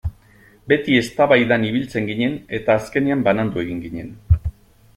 Beti eztabaidan ibiltzen ginen eta azkenean banandu egin ginen.